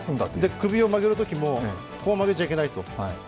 首を曲げるときもこう曲げちゃいけない。